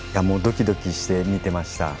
ドキドキして見ていました。